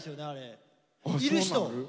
いる人？